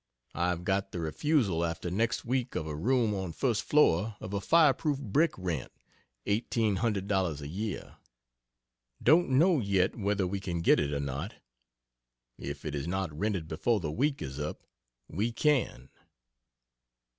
I have got the refusal after next week of a room on first floor of a fire proof brick rent, eighteen hundred dollars a year. Don't know yet whether we can get it or not. If it is not rented before the week is up, we can.